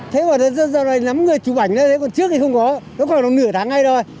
thế quả là rất rõ ràng